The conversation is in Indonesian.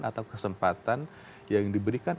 atau kesempatan yang diberikan